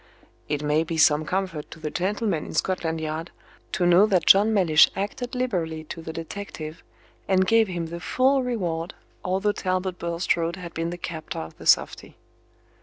It may be some comfort to the gentlemen in Scotland Yard to know that John Mellish acted liberally to the detective, and gave him the full reward, although Talbot Bulstrode had been the captor of the softy.